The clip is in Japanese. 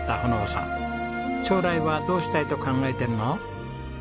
将来はどうしたいと考えてるの？